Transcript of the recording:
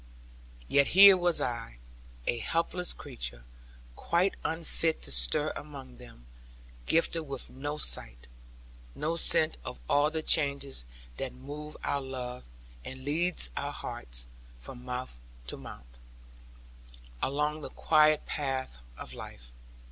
Yet here was I, a helpless creature quite unfit to stir among them, gifted with no sight, no scent of all the changes that move our love, and lead our hearts, from month to month, along the quiet path of life.